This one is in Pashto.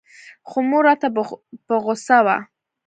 خو مور راته په غوسه سوه.